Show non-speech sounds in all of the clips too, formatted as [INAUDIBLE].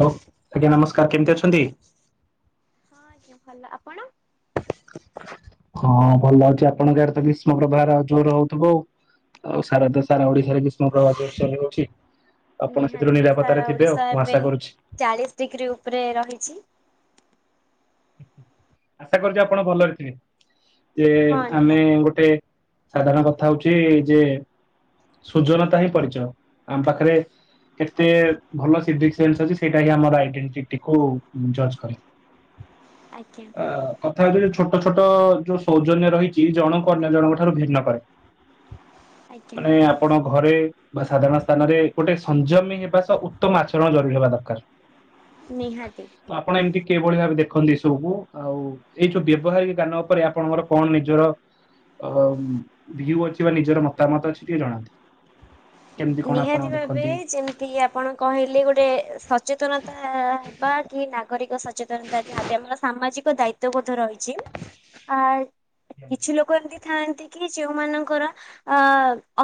Hello ଆଜ୍ଞା ନମସ୍କାର କେମିତି ଅଛନ୍ତି? ହଁ ଆଜ୍ଞା ଭଲ। ଆପଣ? ହଁ ଭଲ ଅଛି। ଆପଣଙ୍କ ଆଡ଼େ ତ ଗ୍ରୀଷ୍ମ ପ୍ରବାହ ଜୋର ହଉଥିବ ଆଉ। ଆଉ ସାରା ଦେ ସାରା ଓଡିଶାରେ ଗ୍ରୀଷ୍ମ ପ୍ର୍ରବାହ ଜୋର ସୋର ହଉଛି। ଆପଣ ସେଥିରୁ ନିହାତି ନିରାପତ୍ତାରେ ସାରା ଥିବେ ଆଉ ଓଡିଶା ମୁଁ ଆଶା ଏବେ କରୁଛି। ଚାଳିଶ ଡିଗ୍ରୀ ଉପରେ ରହିଛି। ଆଶା କରୁଛି ଆପଣ ଭଲରେ ଥିବେ? ଯେ ହଁ ଆମେ ନିହାତି ଗୋଟେ। ସାଧାରଣ କଥା ହଉଚି ଯେ। ସୁଜନତା ହିଁ ପରିଚୟ। ଆମ ପାଖରେ କେତେ ଭଲ [UNINTELLIGIBLE] ଅଛି? ସେଇଟା ହିଁ ଆମର ଆଇଡେଣ୍ଟିକୁ ଜଜ କରେ। ଆଜ୍ଞା ଆ କଥା ହେଉଛି ଯେ ଛୋ ଛୋଟ ଛୋଟ ଯୋଉ ସୌଜନ୍ୟ ରହିଛି ଜଣଙ୍କୁ ଅନ୍ୟ ଜଣଙ୍କ ଠାରୁ ଭିନ୍ନ କରେ। ଆଜ୍ଞା ମାନେ ଆପଣ ଘରେ ବା ସାଧାରଣ ସ୍ଥାନରେ ଗୋଟେ ସଂଯମୀ ହେବା ସହ, ଉତ୍ତମ ଆଚରଣ ଜରୁରୀ ହେବା ଦରକାର। ନିହାତି। ତ ଆପଣ ଏମିତି କିଭଳି ଭାବେ ଦେଖନ୍ତି ଏ ସବୁକୁ? ଆଉ ଏଇ ଯୋଉ ବ୍ୟବହାରିକ ଜ୍ଞାନ ଉପରେ ଆପଣଙ୍କର କଣ ନିଜର ଅ ଭ୍ୟୁ ଅଛି ବା ନିଜର ମତାମତ ଅଛି? ଟିକେ ଜଣାନ୍ତୁ। କେମିତି କଣ ଆପଣ ନିହାତି ଭାବେ। ଦେଖନ୍ତି? ଯେମିତି ଆପଣ କହିଲେ ଗୋଟେ ସଚେତନତା ହେବା, କି ନାଗରିକ ସ ସଚେତନତା ଯାହାବି ଆମର ସାମାଜିକ। ଦାୟିତ୍ୱବୋଧ ରହିଛି। ଛି। ଆଜ୍ଞା। କିଛି ଲୋକ ଏମିତି । ଥାନ୍ତି କି ଯୋଉମାନଙ୍କର ଆ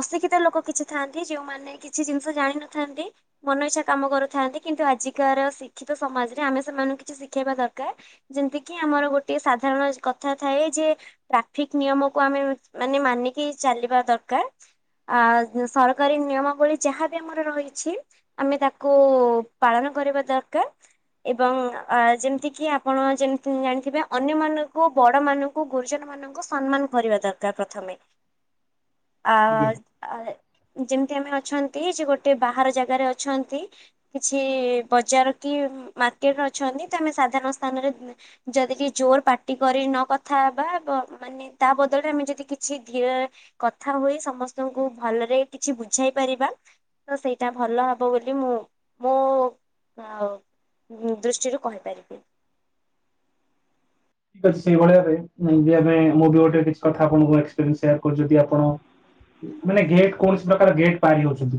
ଅଶିକ୍ଷିତ ଲୋକ କିଛି ଥାନ୍ତି। ଯୋଉମାନେ କିଛି ଜିନିଷ ଜାଣିିନଥାନ୍ତି। ମନ ଇଚ୍ଛା କାମ କରୁଥାନ୍ତି କିନ୍ତୁ, ଆଜିକାର ଶିକ୍ଷିତ ସମାଜରେ ଆମେ ସେମାନଙ୍କୁ କିଛି ଶିଖେଇବା ଦରକାର। ଯେମତି କି ଆମର ଗୋଟେ ସାଧାରଣ କଥା ଥାଏ, ଯେ ଟ୍ରାଫିକ ନିୟମକୁ ଆମେ ମାନେ ମାନିକି ଚାଲିବା ଦରକାର। ଆ ସର ସରକାରୀ ନିୟମାବଳୀ ଯାହାବି ଆମର ରହିଛି। ଆମେ ତାକୁ ପାଳନ କରିବା ଦରକାର ଏବଂ ଆ ଯେମିତି କିି ଆପଣ ଯେମତି ଜାଣିଥିବେ? ଅନ୍ୟମାନଙ୍କୁ ବଡ ମାନଙ୍କୁ ଗୁରୁଜନ ମାନଙ୍କୁ ସମ୍ମାନ କରିବା ଦରକାର ପ୍ରଥମେ। ଆ ଠିକ ଆ ଯେମିତି ଆମେ ଅଛନ୍ତି ଯେ ଗୋଟେ ବାହାର ଜାଗାରେ ଅଛନ୍ତି। କିଛି ବଜାର କି ମାର୍କେଟରେ ଅଛନ୍ତି, ତ ଆମେ ସାଧାରଣ ସ୍ଥାନରେ ଯଦି କି ଜୋର ପାଟି କରି ନ କଥା ହେବା, ମାନେ ତା ବଦଳରେ ଆମେ ଯଦି କିଛି ଧୀର କଥା ହୁଏ ସମସ୍ତଙ୍କୁ ଭଲରେ। କିଛି ବୁଝାଇ ପାରିବା। ତ ସେଇଟା ଭଲ ହବ ବୋଲି ମୁଁ ମୋ ଦୃଷ୍ଟିରୁ କହିପାରିବି। ଠିକ ଅଛି। ସେଇଭଳିଆ ଏବେ ମୁଁ ବି ଗୋଟେ କିଛି କଥା ଆପଣ ଙ୍କୁ ଏକ୍ସପେରିଏନସ ସେୟାର କରୁଛି। ଯଦି ଆପଣ ମାନେ ଗେଟ କୌଣସି ପ୍ରକାର ଗେଟ ପାରିଉଛନ୍ତି?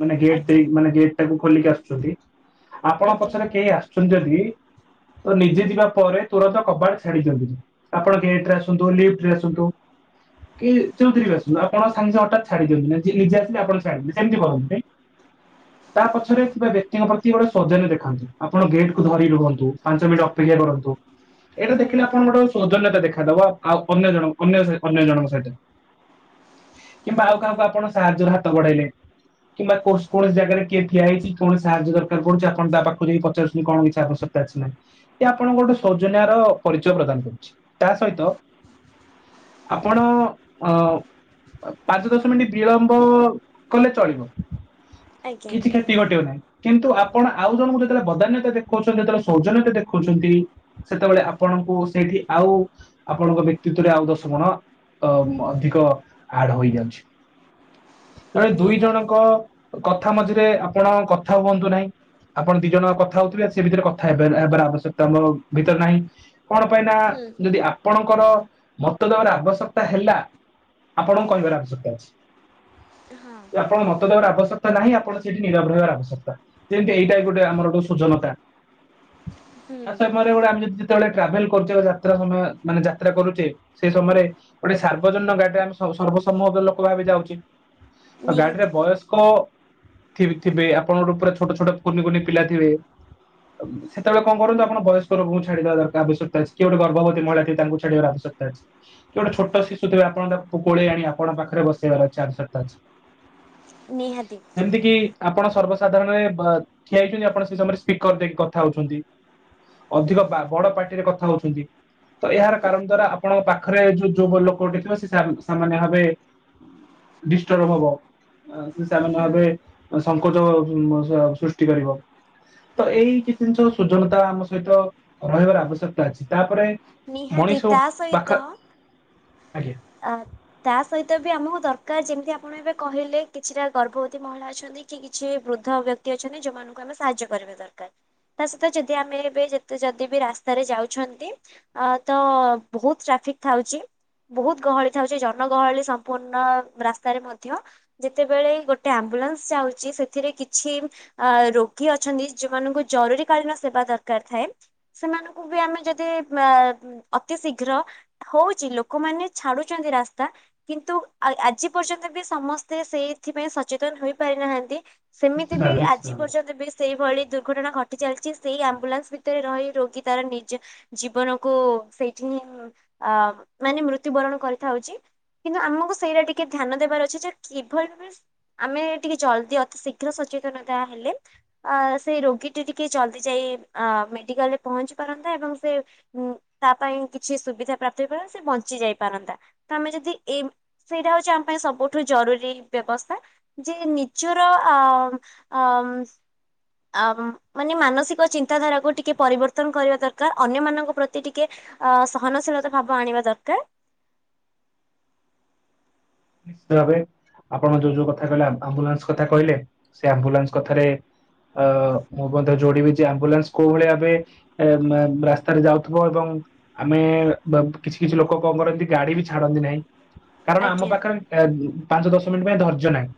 ମାନେ ଗେଟ୍ ଆଜ୍ଞା ମାନେ ଗେଟ ଟା କୁ। ଖୋଲିକି ଆସୁଛନ୍ତି? ଆପଣ ଆଜ୍ଞା ପଛରେ କେହି ଆସୁଛନ୍ତି ଯଦି? ଯଦି? ତ ନିଜେ ହୁଁ ଯିବା ପରେ, ତୁରନ୍ତ କବାଟ ଛାଡିଛନ୍ତି। ଆପଣ ଗଟରେ ଆସନ୍ତୁ ଲିଫ୍ଟ ରେ ଆସନ୍ତୁ? କି ଯୋଉଥିରେ ବି ଆଜ୍ଞା ଆସନ୍ତୁ? ଆପଣ ସାଙ୍ଗେ ସାଙ୍ଗେ ହଠାତ୍। ଛାଡି ଦିଅନ୍ତୁ ନିଜେ ଆସିଲେ ଆପଣ [UNINTELLIGIBLE] ଛାଡିବେ ସେମିତି କରନ୍ତିନି? ତା ପଛରେ ଥିବା ବ୍ୟକ୍ତି ଙ୍କ ପ୍ରତି ଗୋଟେ ସୌଜନ୍ୟ ଦେଖାନ୍ତୁ ଆପଣ ଗେଟ୍ କୁ ଧରି ରୁହନ୍ତୁ ପାଞ୍ଚ ମିନିଟ୍ ଅପେକ୍ଷା କରନ୍ତୁ। ଏଇଟା ହୁଁ ଦେଖିଲି ଆପଣଙ୍କ ର ସୌଜନ୍ୟତା ଦେଖେ ଦେଖାଦବ ଆଉ ଅନ୍ୟ ଜଣକୁ ଅନ୍ୟ ସହ ଅନ୍ୟ ଜଣଙ୍କ ସହିତ। କିମ୍ବା ଆଉ ଆଜ୍ଞା କାହାକୁ ଆପଣ ସାହାଯ୍ୟ ବଢେଇଲେ କିମ୍ବା କୌସ କୌଣସି ଜାଗାରେ କିଏ ଠିଆ ହେଇଛି କୌଣସି ସାହାଯ୍ୟ ଦରକାର ପଡୁଛି ଆପଣ ତା ପାଖକୁ ଯାଇ ପଚାରୁଛନ୍ତି କଣ କିଛି ଆବଶ୍ୟକତା ଅଛି ନାହିଁ ଆପଣଙ୍କ ଗୋଟେ ସୌଜନ୍ୟ। ତାର ପରିଚୟ ପ୍ରଦାନ କରୁଛି ତା ସହିତ ଆପଣ-ଅ-ଅ ଅ ପାଞ୍ଚ ଦଶ ମିନିଟ ବିଳମ୍ବ-ମ୍ବ କଲେ ଚଳିବ। ଆଜ୍ଞା କିଛି କ୍ଷତି ଘଟିବ ନାହିଁ। କିନ୍ତୁ ଆପଣ ଆଉ ଜଣଙ୍କୁ ଯେତେବେଳେ ବଦାନ୍ୟତା ଦେଖଉଛନ୍ତି ଯେତେବେଳେ ସୌଜନ୍ୟତା ଦେଖଉଛନ୍ତି। ସେତେବେଳେ ଆପଣଙ୍କୁ ସେଇଠି ଆଉ ଆପଣଙ୍କ ବ୍ୟକ୍ତିତ୍ଵରେ ଆଉ ଦଶ ଗୁଣ ଅ ଅଧିକ ଆଡ ହୋଇଯାଉଛି। ଜଣେ ଦୁଇ ନିହାତି ଜଣଙ୍କ କଥା ମଝିରେ ଆପଣ କଥା ହୁଅନ୍ତୁ ନାହିଁ ଆପଣ ଦି ଜଣ କଥା ହଉଥିବେ ସେ ଭିତରେ କଥା ହେ ହେବାର ଆବଶ୍ୟକତା ଆମ ଭିତର ନାହିଁ। କଣ ପାଇଁ ନା-ଆ-ଆ ହୁଁ ଯଦି ଆପଣଙ୍କର। ମତ ଦେବାର ଆବଶ୍ୟକତା ହେଲା ଆପଣଙ୍କୁ କହିବାର ଆବଶ୍ୟକତା ଅଛି। ହଁ ଆପଣ ମତ ଦେବାର ଆବଶ୍ୟକ ତା ନାହିଁ ଆପଣ ସେଇଠି ନିରବ ରହିବାର ଆବଶ୍ୟକତା ଯେମିତି ଏଇଟା ଗୋଟେ ଆମର ଗୋଟେ ସୁଜନତା। ତା ହୁଁ। ସମୟରେ ଗୋଟେ ଆମେ ଯଦି ଯେତେବେଳେ ଟ୍ରାଭେଲ କରୁଛେ ବା ଯାତ୍ରା ସମୟ ମାନେ ଯାତ୍ରା କରୁଛେ ସେ ସମୟରେ ଗୋଟେ ସାର୍ବଜନୀନ ଗାଡି ଟା ଆମେ ସର୍ବସମ୍ମତ ଲୋକ ଭାବେ ଯାଉଚି। ତ ଗାଡିରେ ନିହାତି ବୟସ୍କ। ଥିବ ଥିବେ ଆପଣଙ୍କର ପୁରା ଛୋଟ ଛୋଟ କୁନି କୁନି ପିଲା ଥିବେ ସେତେବେଳେ କଣ କରନ୍ତୁ ଆପଣ ବୟସ ରୋଗଙ୍କୁ ଛାଡିଦବା ଦରକାର ଆବଶ୍ୟକତା ଅଛି କିଏ ଗୋଟେ ଗର୍ଭବତୀ ମହିଳା ଥିବେ ତାଙ୍କୁ ଛାଡିବାର ଆବଶ୍ୟକତା ଅଛି କିଏ ଗୋଟେ ଛୋଟ ଶିଶୁ ଥିବ ଆପଣ ତାକୁ କୋଳେଇ ଆଣିବା ଆପଣ ପାଖରେ ବସେଇବାର ଅଛି ଆବଶ୍ୟକତା ଅଛି। ନିହାତି। ଯେମିତି କିି ଆପଣ ସର୍ବସାଧାରଣରେ ବ ଠିଆ ହେଇଛନ୍ତି ଆପଣ ସେ ସମୟରେ ସ୍ପିକର ଦେଇକି କଥା ହଉଛନ୍ତି। ଅଧିକ ବା ବଡ ପାର୍ଟିରେ କଥା ହଉଛନ୍ତି ତ ଏହାର କାରଣ ଦ୍ଵାରା ଆପଣଙ୍କ ପାଖରେ ଯୋଉ ଯୋଉ ଲୋକ ଗଟେ ଥିବ ସେ ସା ସାମାନ୍ୟ ଭାବେ ଡିଷ୍ଟର୍ବ ହବ। ସେମାନେ ହୁଁ ଭାବିବେ ଅ ସଙ୍କୋଚ ଅମ ସୃଷ୍ଟି କରିବ ତ ଏଇ କିଛି ଜିନିଷ ସୁଜନତା ଆମ ସହିତ ରହିବାର ଆବଶ୍ୟକତା ଅଛି ତାପରେ। ନିହାତି ମଣିଷ ତା ପାଖ ସହିତ ଆଜ୍ଞା ଆ ତା। ସହିତ ବି ଆମକୁ ଦରକାର ଯେମିତି ଆପଣ ଏବେ କହିଲେ କିଛିଟା ଗର୍ଭବତୀ ମହିଳା ଅଛନ୍ତି କି କିଛି ବୃଦ୍ଧ ବ୍ୟକ୍ତି ଅଛନ୍ତି। ଯୋଉମାନଙ୍କୁ ଆମେ ସାହାଯ୍ୟ କରିବା ଦରକାର, ତା ସହିତ ଯଦି ଆମେ ଏବେ ଯେ ଯଦି ବି ରାସ୍ତାରେ ଯାଉଛନ୍ତି। ଅ ତ ବହୁତ ଟ୍ରାଫିକ ଥାଉଛି ବହୁତ ଗହଳି ଥାଉଛି ଜନଗହଳି ସମ୍ପୂର୍ଣ୍ଣ ରାସ୍ତାରେ ମଧ୍ୟ ଯେତେବେଳେ ଗୋଟେ ଆମ୍ବୁଲାନ୍ସ ଯାଉଛି ସେଥିରେ କିଛି ଆ ରୋଗୀ ଅଛନ୍ତି ଯେଉମାନଙ୍କୁ ଜରୁରୀ କାଳୀନ ସେବା ଦରକାର ଥାଏ ସେମାନଙ୍କୁ ବି ଆମେ ଯଦି ଆମ ଅତି ଶୀଘ୍ର ହଉଛି ଲୋକମାନେ ଛାଡୁଛନ୍ତି ରାସ୍ତା କିନ୍ତୁ ଆ ଆଜି ପର୍ଯ୍ୟନ୍ତ ବି ସମସ୍ତେ ସେଇଥିପାଇଁ ସଚେତନ ହୋଇପାରିନାହାନ୍ତି। ସେମିତି ନିଶ୍ଚିତ ବି ଭାବେ ନିଶ୍ଚିତ ଆଜି ଭାବେ। ପର୍ଯ୍ୟନ୍ତ ବି ସେଇଭଳି ଦୁର୍ଘଟଣା ଘଟି ଚାଲିଛି ସେଇ ଆମ୍ବୁଲାନ୍ସ ଭିତରେ ରହି ରୋଗୀ ତାର ନିଜ ଜୀବନକୁ ସେଇଠି ହିଁ ଆ ମାନେ ମୃତ୍ୟୁବରଣ କରିଥାଉଛି କିନ୍ତୁ ଆମକୁ ସେଇଟା ଟିକେ ଧ୍ୟାନ ଦେବାର ଅଛି ଯେ କିଭଳି ଭାବେ ଆମେ ଟିକେ ଜଲ୍ଦି ଅତି ଶୀଘ୍ର ସଚେତନତା ହେଲେ ଆ ସେଇ ରୋଗୀଟି ଟିକେ ଜଲ୍ଦି ଯାଇ ଆ ମେଡ଼ିକାଲରେ ପହଞ୍ଚି ପାରନ୍ତା ଏବଂ ସେ ଉ ତା ପାଇଁ କିଛି ସୁବିଧା ପ୍ରାପ୍ତ ହେଇପାରନ୍ତା ସେ ବଞ୍ଚି ଯାଇ ପାରନ୍ତା ତ ଆମେ ଯଦି ଏ ସେଇଟା ହଉଛି ଆମ ପାଇଁ ସବୁଠୁ ଜରୁରୀ ବ୍ୟବସ୍ଥା ଯେ ନିଜର ଆ ଆମ ଅ ମାନେ ମାନସିକ ଚିନ୍ତାଧାରାକୁ ଟିକେ ପରିବର୍ତ୍ତନ କରିବା ଦରକାର ଅନ୍ୟମାନନଙ୍କ ପ୍ରତି ଟିକେ ଅ ସହନଶୀଳତା ଭାବ ଆଣିବା ଦରକାର। ନିଶ୍ଚିତ ଭାବେ ଆପଣ ଯୋଉ ଯୋଉ କଥା କହିଲେ ଆମ୍ବୁଲାନ୍ସ କଥା କହିଲେ ସେ ଆମ୍ବୁଲାନ୍ସ କଥାରେ ଅ ମୁଁ ମଧ୍ୟ ଯୋଡିବି ଯେ ଆମ୍ବୁଲାନ୍ସ କୋଉ ଭଳି ଭାବେ ଏ ଆମ୍ ଆମ ରାସ୍ତାରେ ଯାଉଥିବ ଏବଂ ଆମେ ବ କିଛି କିଛି ଲୋକ କଣ କରନ୍ତି ଗାଡି ବି ଛାଡନ୍ତି ନାହିଁ। କାରଣ ଆମ ଆଜ୍ଞା ପାଖରେ ପାଞ୍ଚ ଦଶ ମିନିଟ୍ ପାଇଁ ଧର୍ଯ୍ୟ ନାହିଁ।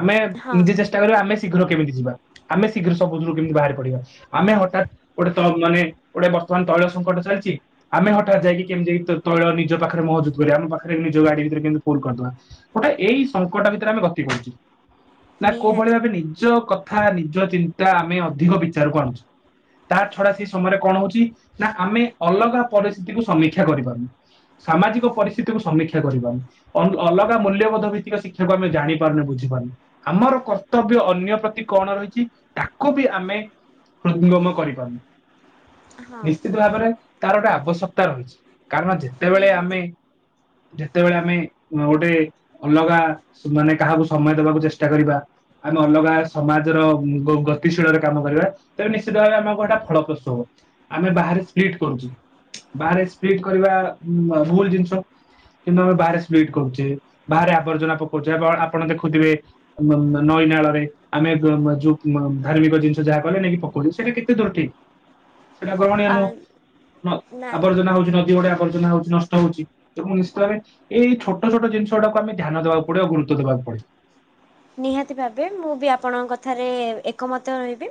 ଆମେ ହଁ ନିଜେ ଚେଷ୍ଟା କରିବା ଆମେ ଶୀଘ୍ର କେମିତି ଯିବା ଆମେ ଶୀଘ୍ର ସବୁଦିନରୁ କେମିତି ବାହାରି ପଡିବା ।ଆମେ ହଠାତ୍ ଗୋଟେ ମାନେ ଗୋଟେ ବର୍ତ୍ତମାନ ତୈଳ ସଙ୍କଟ ଚାଲିଛି, ଆମେ ହଠାତ୍ ଯାଇକି କେମତି ତୈଳ ନିଜ ପାଖରେ ମହଜୁଦ କରିବା। ଆମ ପାଖରେ ନିଜ ଗାଡି ଭିତରେ ଫୁଲ କରିଦବା ଗୋଟେ ଏଇ ସଙ୍କଟା ଭିତରେ ଆମେ ଗତି କରୁଛୁ। ନା କୋଉ ଭଳି ନିହାତି ଭାବେ ନିଜ କ କଥା ନିଜ ଚିନ୍ତା ଆମେ ଅଧିକ ବିଚାରକୁ ଆଣୁଛୁ ତା ଛଡା, ସେ ସମୟରେ କଣ ହଉଛି ନା ଆମେ ଅଲଗା ପରିସ୍ଥିତିକୁ ସମୀକ୍ଷା କରିପାରୁନୁ ।ସାମାଜିକ ପରିସ୍ଥିତିକୁ ସମୀକ୍ଷା କରିପାରୁନୁ, ଅ ଅଲଗା ମୂଲ୍ୟବୋଧ ଭିତ୍ତିକ ଶିକ୍ଷାକୁ ଆମେ ଜାଣିପାରୁନୁ ବୁଝିପାରୁନେ ଆମର କର୍ତ୍ତବ୍ୟ ଅନ୍ୟ ପ୍ରତି କଣ ରହିଛି ତାକୁ ବି ଆମେ ହୃଦଙ୍ଗମ କରିପାରୁନୁ। ହଁ ନିଶ୍ଚିତ ଭାବରେ ତାର ଗୋଟେ ଆବଶ୍ୟକତା ରହିଛି। କାରଣ ଯେତେବେଳେ ଆମେ ନିହାତି ଯେତେବେଳେ ଆମେ ଗୋଟେ ଅଲଗା ମାନେ କାହାକୁ ସମୟ ଦେବାକୁ ଚେଷ୍ଟା କରିବା ଆମେ ଅଲଗା ସମାଜର ଗତିଶୀଳରେ କାମ କରିବା ତେବେ ନିଶ୍ଚିତ ଭାବେ ଆମକୁ ଏଟା ଫଳପ୍ରସୁ ହବ ଆମେ ବାହାରେ ସ୍ପ୍ଲିଟ କରୁଛୁ ବାହାରେ ସ୍ପ୍ଲିଟ୍ କରିବା ଭୁଲ ଜିନିଷ କିନ୍ତୁ ଆମେ ବାହାରେ କରୁଛେ ବାହାରେ ଆବର୍ଜନା ପକଉଛେ ଆ ଆପଣ ଦେଖୁଥିବେ ନଈ ନାଳରେ ଆମେ ଯୋଉ ଧାର୍ମିକ ଜିନିଷ ଯାହା କହଲେ ନେଇକି ପକଉଛ ସେଇଟା କେତେ ଦୂର ଠିକ? ସେଇଟା ଗ୍ରହଣୀୟ ଆ ନୁହଁ, ନା ଆବର୍ଜନା ହଉଛି ନଦୀ ଗୁଡ଼ା ର୍ଜନା ହଉଛି ନଷ୍ଟ ହଉଛି ଏବଂ ନିଶ୍ଚିତ ଭାବେ ଏଇ ଛୋଟ ଛୋଟ ଜିନିଷ ଗୁଡାକୁ ଆମେ ଧ୍ୟାନ ଦେବାକୁ ପଡିବ ଗୁରୁତ୍ୱ ଦବାକୁ ପଡି ନିହାତି ଭାବେ ମୁଁ ବି ଆପଣଙ୍କ କଥାରେ ଏକମତ ହେବି।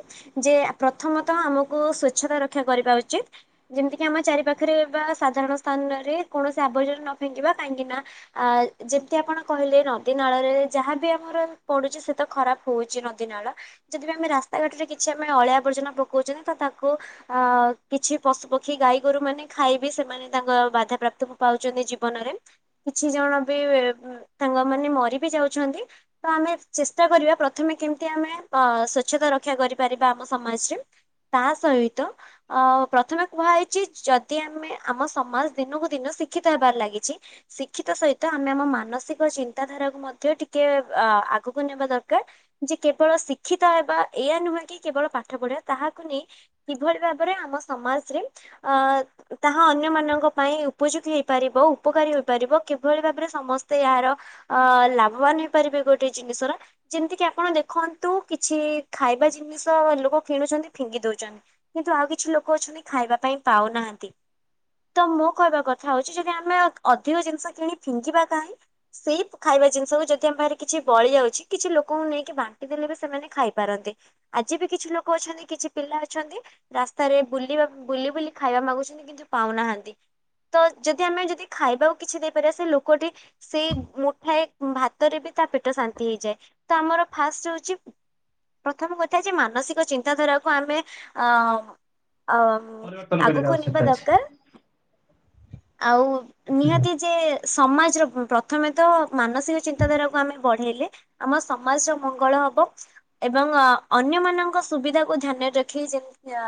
ଯେ ପ୍ରଥମତଃ ଆମକୁ ସ୍ଵଚ୍ଛତା ରକ୍ଷା କରିବା ଉଚିତ ଯେମିତିକି ଆମ ଚାରି ପାଖରେ ବା ସାଧାରଣ ସ୍ଥାନରେ କୌଣସି ଆବର୍ଜନା ନ ଫେଙ୍କିବା, କାହିଁକି ନା ଯେମିତି ଆପଣ କହିଲେ ନଦୀ ନାଳରେ ଯାହାବି ଆମର ପଡୁଛି ସେ ତ ଖରାପ ହଉଛି ନଦୀ ନାଳ ଯଦି ବି ଆମେ ରାସ୍ତାଘାଟରେ କିଛି ଆମେ ଅଳିଆ ଆବର୍ଜନା ପକଉଛନ୍ତି ତ ତାକୁ ଅ କିଛି ପଶୁପକ୍ଷୀ ଗାଈ ଗୋରୁ ମାନେ ଖାଇବି ସେମାନେ ତାଙ୍କ ବାଧା ପ୍ରାପ୍ତ କ ପାଉଛନ୍ତି ଜୀବନରେ କିଛି ଜଣ ବି ତାଙ୍କ ମାନେ ମରି ବି ଯାଉଛନ୍ତି। ତ ଆମେ ଚେଷ୍ଟା କରିବା ପ୍ରଥମେ କେମିତି, ଆମେ ସ୍ୱଚ୍ଛତା ରକ୍ଷା କରିପାରିବା ଆମ ସମାଜରେ ତା ସହିତ ପ୍ରଥମେ କୁହାଯାଇଛି ।ଯଦି ଆମେ ଆମ ସମାଜ ଦିନକୁ ଦିନ ଶିକ୍ଷିତ ହେବାରେ ଲାଗିଛି, ଶିକ୍ଷିତ ସହିତ ଆମେ ଆମ ମାନସିକ ଚିନ୍ତାଧାରାକୁ ମଧ୍ୟ ଟିକେ ଅ ଆଗକୁ ନେବା ଦରକାର ଯେ କେବଳ ଶିକ୍ଷିତ ହେବା ଏଇ ନୁହେଁ କି କେବଳ ପାଠ ପଢିବା ତାହାକୁ ନେଇ କିଭଳି ଭାବରେ ଆମ ସମାଜରେ ଅ ତାହା ଅନ୍ୟ ମାନଙ୍କ ପାଇଁ ଉପଯୋଗୀ ହେଇପାରିବ ଉପକାରୀ ହେଇପାରିବ କିଭଳି ଭାବରେ ସମସ୍ତେ ଏହାର ଅ ଲାଭବାନ ହେ ଗୋଟେ ଜିନିଷର ଯେମିତି କି ଆପଣ ଦେଖନ୍ତୁ କିଛି ଖାଇବା ଜିନିଷ ଲୋକ କିଣୁଛନ୍ତି ଫିଙ୍ଗି ଦଉଛନ୍ତି କିନ୍ତୁ ଆଉ କିଛି ଲୋକ ଅଛନ୍ତି ଖାଇବା ପାଇଁ ପାଉନାହାନ୍ତି ତ ମୋ କହିବା କଥା ହଉଛି ଯଦି ଆମେ ଅଧିକ ଜିନିଷ କିଣି ଫିଙ୍ଗିବା କାହିଁ ସେଇ ଖାଇବା ଜିନିଷକୁ ଯଦି ଯି ଆମ ପାଖରେ କିଛି ବଳି ଯାଉଛି କିଛି ଲୋକଙ୍କୁ ନେଇକି ବାଣ୍ଟି ଦେଲେ ବି ସେମାନେ ଖାଇପାରନ୍ତି ଆଜି ବି କିଛି ଲୋକ ଅଛନ୍ତି କିଛି ପିଲା ଅଛନ୍ତି ରାସ୍ତାରେ ବୁଲିବା ବୁଲି ବୁଲି ଖାଇବା ମାଗୁଛନ୍ତି କିନ୍ତୁ ପାଉନାହାନ୍ତି ତ ଯଦି ଆମେ ଯଦି ଖାଇବାକୁ କିଛି ଦେଇପାରିବା ସେ ଲୋକଟି ସେଇ ମୁଠାଏ ଭ ତାପରେ ବି ତା ପେଟ ଶାନ୍ତି ହେଇଯାଏ, ତ ଆମର ଫାଷ୍ଟ ହଉଛି ପ୍ରଥମ କଥା ଯେ ମାନସିକ ଚିନ୍ତାଧାରାକୁ ଆମେ ଅ ଅ ପରିବର୍ତ୍ତନ କରିବାର ଆଗକୁ ନେବା ଆବଶ୍ୟକତା ଦରକାର। ଆଉ ଅଛି। ନିହାତି ଯେ ସମାଜର ପ୍ରଥମେ ତ ମାନସିକ ଚିନ୍ତାଧାରାକୁ ଆମେ ବଢେଇଲେ ଆମ ସମାଜର ମଙ୍ଗଳ ହବ ଏବଂ ଅନ୍ୟମାନଙ୍କ ସୁବିଧାକୁ ଧ୍ୟାନରେ ରଖି ଯେମିତି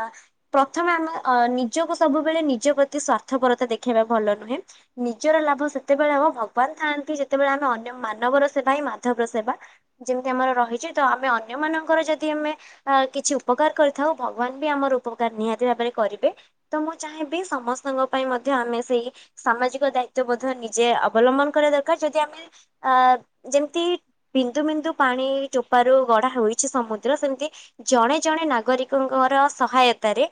ପ୍ରଥମେ ଆମେ ନିଜକୁ ସବୁବେଳେ ନିଜ ପ୍ରତି ସ୍ୱାର୍ଥପରତା ଦେଖେଇବା ଭଲ ନୁହେଁ ।ନିଜର ଲାଭ ସେତେବେଳେ ହବ ଭଗବାନ ଥାଆନ୍ତି ଯେତେବେଳେ ଆମେ ଅନ୍ୟ ମାନବର ସେବା ହିଁ ମାଧବର ସେବା ଯେମିତି ଆମର ରହିଛି ତ ଆମେ ଅନ୍ୟ ମାନଙ୍କର ଯଦି ଆମେ କିଛି ଉପକାର କରିଥାଉ ଭଗବାନ ବି ଆମର ଉପକାର ନିହାତି ଭାବରେ କରିବେ ତ ମୁଁ ଚାହିଁବି ସମସ୍ତଙ୍କ ପାଇଁ ମଧ୍ୟ ଆମେ ସେଇ ସାମାଜିକ ଦାୟିତଵ ମଧ୍ୟ ନିଜେ ଅବଲମ୍ବନ କରିବା ଦରକାର ଯଦି ଆମେ ଅ ଯେମିତି ବିନ୍ଦୁ ବିନ୍ଦୁ ପାଣି ଚୋପାରୁ ଗଡା ହୋଇଛି ସମୁଦ୍ର, ସେମିତି ଜଣେ ଜଣେ ନାଗରିକଙ୍କର ସହାୟତାରେ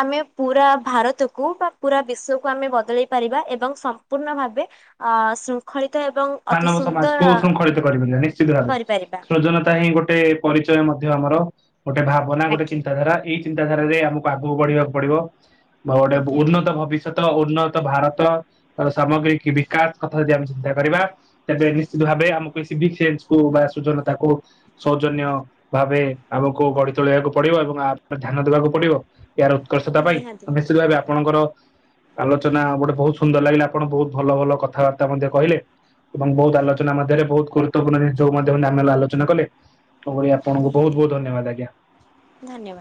ଆମେ ପୁରା ଭାରତକୁ ବା ପୁରା ବିଶ୍ଵକୁ ଆମେ ବଦଳେଇ ପାରିବା ଏବଂ ସମ୍ପୂର୍ଣ୍ଣ ଭାବେ ଅ ଶୃଙ୍ଖଳିତ ଏବଂ ଅତି ମାନବ ସମାଜ କୋ ସୁନ୍ଦର ଶୃଙ୍ଖଳିତ କରିପାରି ନିଶ୍ଚିତ ଭାରେ କରିପାରିବା ସୃଜନତା ହିଁ ଗୋଟେ ଗୋଟେ ପରିଚୟ ମଧ୍ୟ ଆମର ଗୋଟେ ଭାବନା ଗୋଟେ ଆଜ୍ଞା। ଚିନ୍ତାଧାରା ଏଇ ଚିନ୍ତାଧାରାରେ ଆମକୁ ଆଗକୁ ବଢିବାକୁ ପଡିବ। ଗୋଟେ ଆଜ୍ଞା। ଉନ୍ନତ ଭବିଷ୍ୟ ତ ଉନ୍ନତ ଭାରତ ସାମଗ୍ରୀ କି ବିକାଶ କଥା ଯଦି ଆମେ ଚିନ୍ତା କରିବା ତେବେ ନିଶ୍ଚିତ ଭାବେ ଆମକୁ ଏ ସିଭିକସେନ୍ସକୁ ବା ସୁଜନତାକୁ ସୌଜନ୍ୟ ଭାବେ ଆମକୁ ଗଢି ତୋଳିବାକୁ ପଡିବ ଏବଂ ଆ ଉପରେ ଧ୍ୟାନ ଦବାକୁ ପଡ଼ିବ। ଏହାର ଉତ୍କର୍ଷତା ପାଇଁ ନିହାତି ଆଉ ନିଶ୍ଚିତ ଭାବେ ଆପଣଙ୍କର ଆଲୋଚନା ଗୋଟେ ବୋହୁତ ସୁନ୍ଦର ଲାଗିଲା ଆପଣ ବୋହୁତ ଭଲ ଭଲ କଥାବାର୍ତ୍ତା ମଧ୍ୟ କହିଲେ। ଏବଂ ବହୁତ ଆଲୋଚନା ମଧ୍ୟରେ ବୋହୁତ ଗୁରୁତ୍ୱପୂର୍ଣ୍ଣ ଜିନିଷକୁ ମଧ୍ୟ [UNINTELLIGIBLE] ଆଲୋଚନା କଲେ। ତୋ ଭଳି ଆପଣଙ୍କୁ ବୋହୁତ ନିହାତି ବୋହୁତ ଧନ୍ୟବାଦ ଆଜ୍ଞା। ଧନ୍ୟବାଦ।